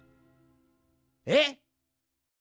えっ？